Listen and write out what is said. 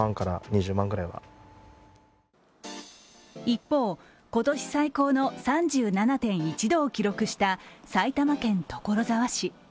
一方、今年最高の３７．１度を記録した埼玉県所沢市。